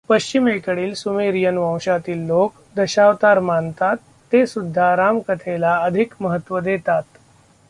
पश्चिमेकडील सुमेरियन वंशातील लोक दशावतार मानतात, ते सुद्धा रामकथेला अधिक महत्त्व देतात.